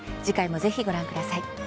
次回もぜひご覧ください。